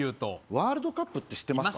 ワールドカップって知ってますか？